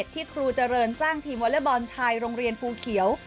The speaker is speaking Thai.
ที่ครูเจริญสร้างทีมวอเล็กบอลชายโรงเรียนภูเขียว